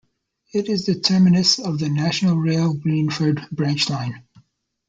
It is the terminus of the National Rail Greenford Branch Line.